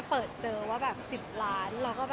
พอเปิดเจอว่าแบบ๑๐ร้านไปเราก็แบบ